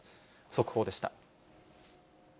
速報でした。